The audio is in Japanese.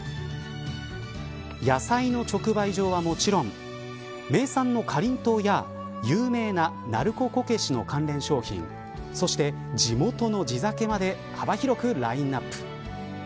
野菜の直売所はもちろん名産のかりんとうや有名な鳴子こけしの関連商品そして地元の地酒まで幅広くラインアップ。